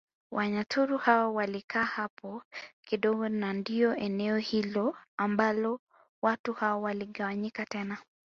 Wanyaturu hao walikaa hapo kidogo na ndio eneo hilo ambalo watu hao waligawanyika tena